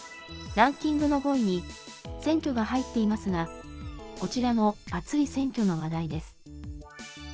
ランキングのほうに、選挙が入っていますが、こちらも熱い選挙の話題です。